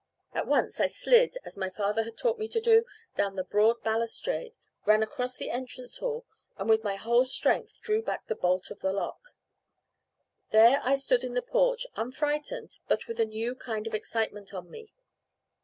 At once I slid (as my father had taught me to do) down the broad balustrade, ran across the entrance hall, and with my whole strength drew back the bolt of the lock. There I stood in the porch, unfrightened, but with a new kind of excitement on me.